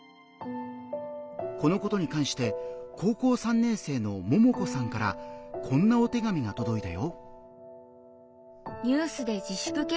このことに関して高校３年生のももこさんからこんなお手紙がとどいたよ。